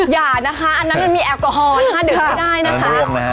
อย่านะคะอันนั้นมันมีแอลกอฮอลถ้าดื่มไม่ได้นะคะ